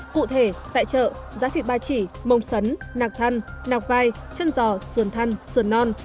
cụ thể tại chợ giá thịt ba chỉ mông sấn nạc thăn nạc vai chân giò sườn thăn sườn non